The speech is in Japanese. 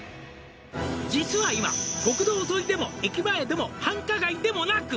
「実は今国道沿いでも駅前でも繁華街でもなく」